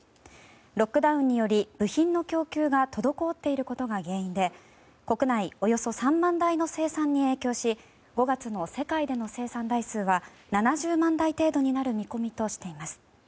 ロックダウンにより部品の供給が滞っていることが原因で国内およそ３万台の生産に影響し５月の世界での生産台数は７０万台程度になる見込みとしています。